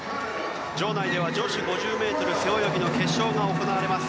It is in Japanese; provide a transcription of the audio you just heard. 場内では女子５０ｍ背泳ぎの決勝が行われます。